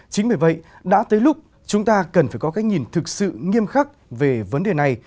chính bởi vậy đã tới lúc chúng ta cần phải có cách nhìn thực sự nghiêm khắc về vấn đề này